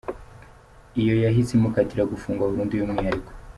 Iyo yahise imukatira gufungwa burundu y’umwihariko.